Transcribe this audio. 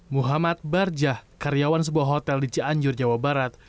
muhammad barjah karyawan sebuah hotel di cianjur jawa barat